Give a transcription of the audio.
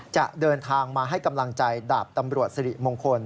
จะเดินทางมาให้กำลังใจดาบตำรวจสิริมงคล